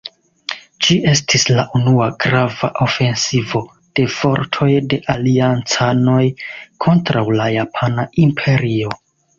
Ĝi estis la unua grava ofensivo de fortoj de Aliancanoj kontraŭ la Japana Imperio.